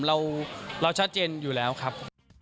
เราชัดเจนอยู่แล้วครับ